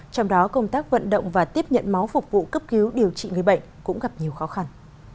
trong đó công tác vận động và tiếp nhận máu phục vụ cấp cứu điều trị người bệnh cũng gặp nhiều khó khăn